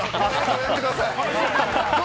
やめてください。